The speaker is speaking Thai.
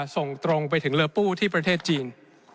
ส่งตรงไปถึงเรือปู้ที่ประเทศจีน